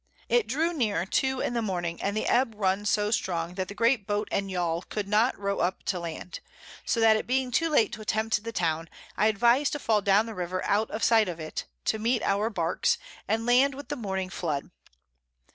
It drew near two in the Morning, and the Ebb run so strong, that the great Boat and Yall could not row up to Land; so that it being too late to attempt the Town, I advised to fall down the River out of sight of it, to meet our Barks, and land with the Morning Flood.